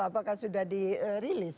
apakah sudah dirilis